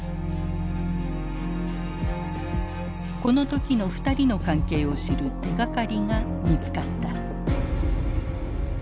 この時の２人の関係を知る手がかりが見つかった。